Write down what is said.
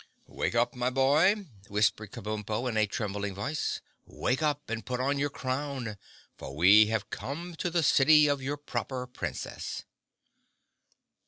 "Wake up, my boy," whispered Kabumpo in a trembling voice. "Wake up and put on your crown, for we have come to the city of your Proper Princess."